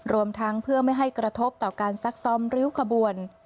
รวมทั้งเพื่อไม่ให้กระทบต่อการซักซ้อมริ้วขบวน